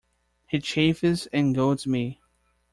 He chafes and goads me!